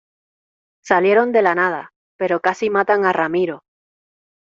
salieron de la nada, pero casi matan a Ramiro.